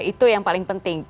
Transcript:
itu yang paling penting